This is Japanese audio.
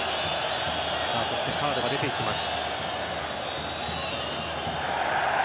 そしてカードが出ていきます。